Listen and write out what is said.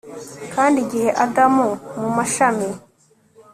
Kandi igihe Adamu mumashami